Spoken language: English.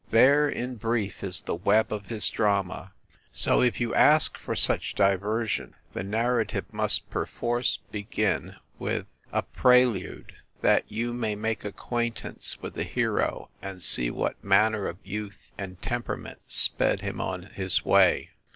There, in brief, is the web of his drama. So, if you ask for such di version, the narrative must perforce begin with a I 2 FIND THE WOMAN prelude, that you may make acquaintance with the hero, and see what manner of youth and tempera ment sped him on his way.